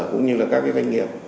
cũng như là các cái doanh nghiệp